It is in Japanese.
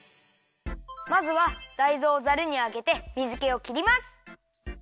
まずはだいずをザルにあげて水けをきります。